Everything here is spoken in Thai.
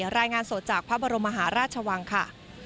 รายงานสดจากพระบรมมหาราชวังค่ะ